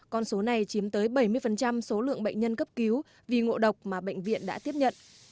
con số này chiếm tới bảy mươi số lượng bệnh nhân cấp cứu vì ngộ độc mà bệnh viện đã tiếp nhận